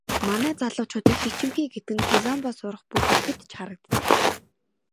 Манай залуучууд их ичимхий гэдэг нь кизомба сурах, бүжиглэхэд ч харагддаг.